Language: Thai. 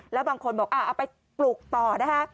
แล้วบางคนบอกเอาไปปลูกต่อนะคะ